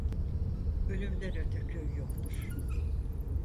Ölümden öte köy yoktur.